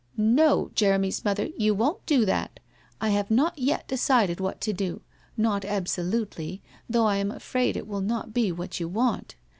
' Xo, Jeremy's mother, you won't do that! I have not yet decided what to do — not absolutely, though I am afraid it will not be what you want.